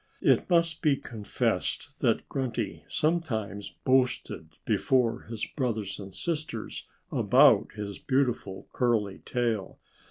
It must be confessed that Grunty sometimes boasted before his brothers and sisters about his beautiful curly tail.